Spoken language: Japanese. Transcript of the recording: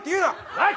はい。